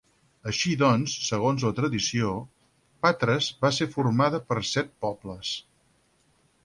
Així doncs, segons la tradició, Patres va ser formada per set pobles.